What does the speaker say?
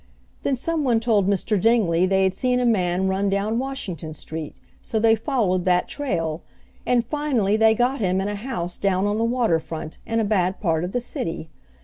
Then some one told Mr. Dingley they had seen a man run down Washington Street, so they followed that trail, and finally they got him in a house down on the water front, in a bad part of the city.